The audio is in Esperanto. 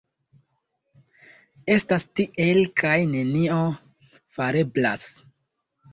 Estas tiel, kaj nenio fareblas.